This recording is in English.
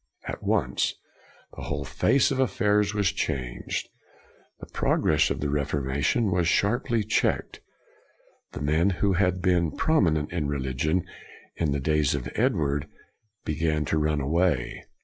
At once, the whole face of affairs was changed. The progress of the Reforma tion was sharply checked. The men who had been prominent in religion in the days of Edward, began to run away.